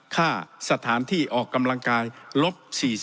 ค่าสถานที่ออกกำลังกายลบ๔๐